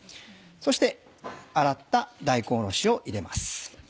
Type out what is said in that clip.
そして洗った大根おろしを入れます。